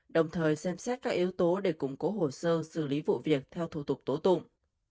đồng thời xem xét các yếu tố để củng cố hồ sơ xử lý vụ việc theo thủ tục tố tụng